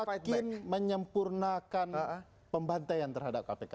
semakin menyempurnakan pembantaian terhadap kpk